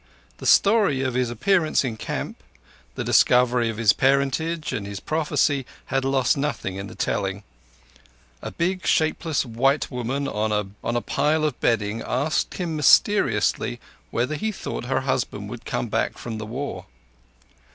The story of his appearance in camp, the discovery of his parentage, and his prophecy, had lost nothing in the telling. A big, shapeless white woman on a pile of bedding asked him mysteriously whether he thought her husband would come back from the war.